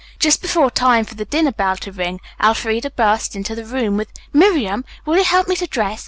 Just before time for the dinner bell to ring, Elfreda burst into the room with: "Miriam, will you help me to dress?